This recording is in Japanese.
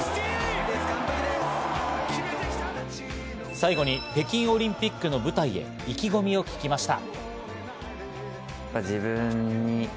最後に北京オリンピックの舞台へ意気込みを聞きました。